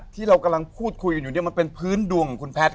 ที่เรากำลังพูดคุยกันอยู่เนี่ยมันเป็นพื้นดวงของคุณแพทย์